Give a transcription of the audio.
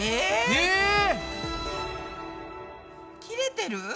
切れてる？